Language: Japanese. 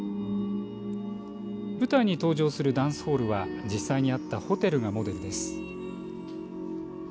舞台に登場するダンスホールは実際にあったホテルがモデルです。